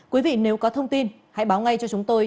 quý vị nếu có thông tin hãy báo ngay cho chúng tôi